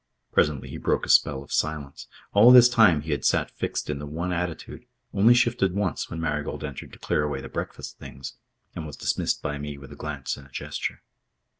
Presently he broke a spell of silence. All this time he had sat fixed in the one attitude only shifted once, when Marigold entered to clear away the breakfast things and was dismissed by me with a glance and a gesture.